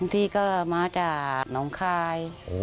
ที่ก็มาจากน้องคาย